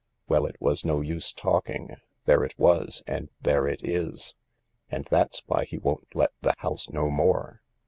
Well, it was no use talking. There it was, and there it is. And that's why he won't let the house no more."